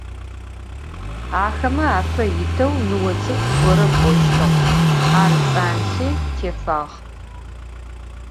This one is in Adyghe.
Axeme ape yiteu nıo ts'ık'u gore k'oştığ, ar ts'anlhi têfağ.